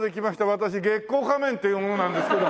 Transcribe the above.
私月光仮面っていう者なんですけど。